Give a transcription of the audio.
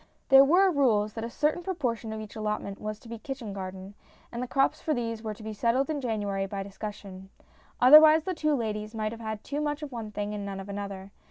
There were rules that a certain proportion of each allotment was to be kitchen garden, and the crops for these were to be settled in January by discussion. Otherwise, the two ladies might have had too much of one thing and none of another.